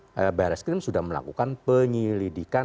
bayar reskrim sudah melakukan penyelidikan